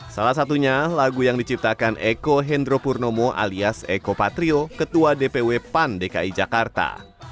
salah satunya lagu yang diciptakan eko hendropurnomo alias eko patrio ketua dpw pan dki jakarta